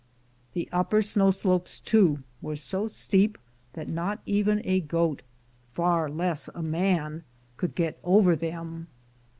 The upper snow slopes, too, were so steep that not even a goat, far less a man, could get over them.